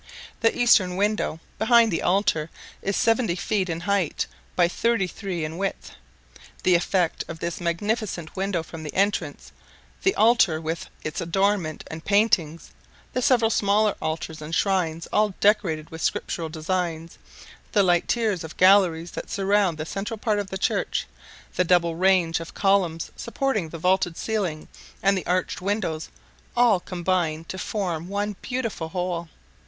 The eastern window, behind the altar, is seventy feet in height by thirty three in width. The effect of this magnificent window from the entrance, the altar with its adornments and paintings, the several smaller altars and shrines, all decorated with scriptural designs, the light tiers of galleries that surround the central part of the church, the double range of columns supporting the vaulted ceiling, and the arched windows, all combine to form one beautiful whole.